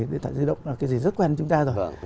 điện thoại di động là cái gì rất quen với chúng ta rồi